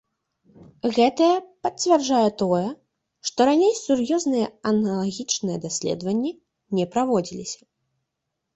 Гэтае пацвярджае тое, што раней сур'ёзныя аналагічныя даследаванні не праводзіліся.